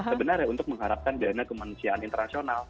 sebenarnya untuk mengharapkan dana kemanusiaan internasional